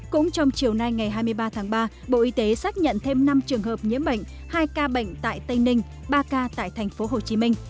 cũng trong chiều nay ngày hai mươi ba tháng ba bộ y tế xác nhận thêm năm trường hợp nhiễm bệnh hai ca bệnh tại tây ninh ba ca tại thành phố hồ chí minh